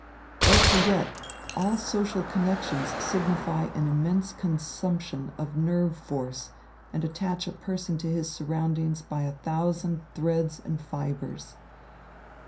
Don't forget, all social connections signify an immense consumption of nerve force and attach a person to his surroundings by a thousand threads and fibres.